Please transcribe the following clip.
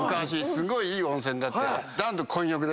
すごいいい温泉だって。